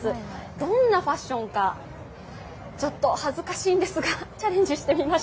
どんなファッションかちょっと恥ずかしいんですがチャレンジしてみました。